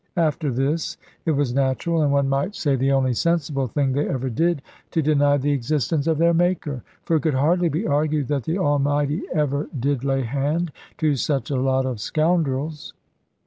After this it was natural, and one might say the only sensible thing they ever did, to deny the existence of their Maker. For it could hardly be argued that the Almighty ever did lay hand to such a lot of scoundrels.